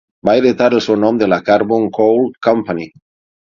Va heretar el seu nom de la Carbon Coal Company.